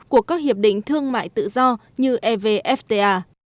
của các hiệp định thương mại tự do như evfta